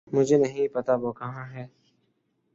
مجھے نہیں پتا وہ کہاں ہے